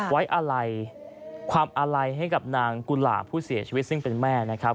ไว้อะไรความอาลัยให้กับนางกุหลาบผู้เสียชีวิตซึ่งเป็นแม่นะครับ